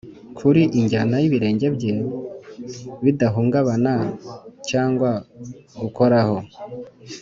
kuri injyana y'ibirenge bye bidahungabana, cyangwa gukoraho